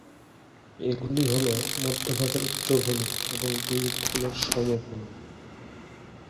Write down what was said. এগুলি হল মধ্যভাগের উচ্চভূমি এবং দুই উপকূলের সমভূমি।